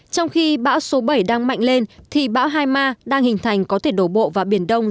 trong khi bão số bảy đang mạnh lên thì bão hai ma đang hình thành có thể đổ bộ vào biển đông